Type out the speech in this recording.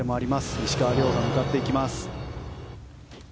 石川遼が向かっていきます。